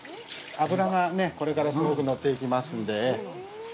脂がこれからすごく乗っていきますんで。